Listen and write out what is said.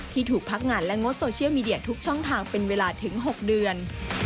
ถูกพักงานและงดโซเชียลมีเดียทุกช่องทางเป็นเวลาถึง๖เดือน